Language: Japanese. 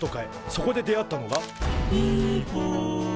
そこで出会ったのが「ニコ」